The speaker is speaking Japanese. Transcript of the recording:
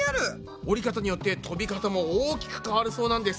折り方によって飛び方も大きく変わるそうなんです。